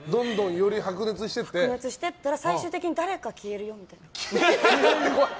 より白熱していったら最終的に誰か消えるよみたいな。